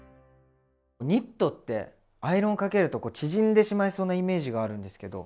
ニットってアイロンをかけるとこう縮んでしまいそうなイメージがあるんですけど。